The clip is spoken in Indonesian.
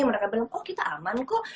mereka bilang oh kita aman kok